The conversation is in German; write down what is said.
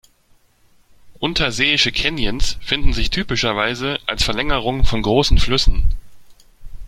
Unterseeische Canyons finden sich typischerweise als Verlängerung von großen Flüssen.